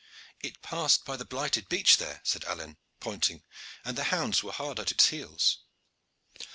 "It passed by the blighted beech there," said Alleyne, pointing, "and the hounds were hard at its heels."